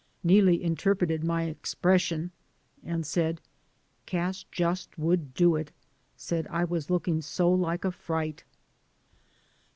Neelie inter preted my expression and said, "Cash just would do it; said I was looking so like a fright."